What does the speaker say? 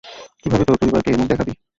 কিভাবে তোর পরিবারকে মুখ দেখাবি?